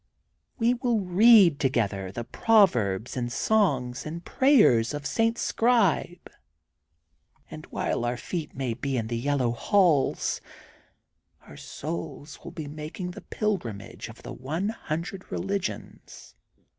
We will read together the prov erbs and songs and prayers of St. Scribe and. V THE GOLDEN BOOK OF SPRINGFIELD 189 while our feet may be in the Yellow Halls, our souls will be making the pilgrimage of the one hundred religions.